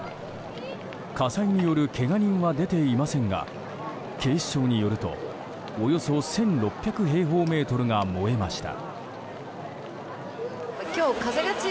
火災によるけが人は出ていませんが警視庁によるとおよそ１６００平方メートルが燃えました。